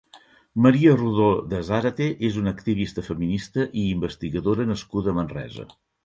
Maria Rodó de Zárate és una activista feminista i investigadora nascuda a Manresa.